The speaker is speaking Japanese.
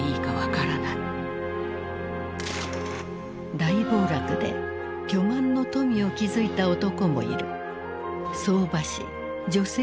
大暴落で巨万の富を築いた男もいる。